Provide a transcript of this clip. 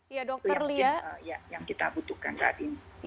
itu yang kita butuhkan saat ini